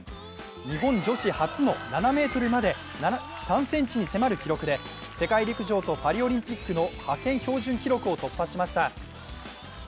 日本女子初の７ｍまで３ｃｍに迫る記録で世界陸上とパリオリンピックの派遣標準記録を突破しました。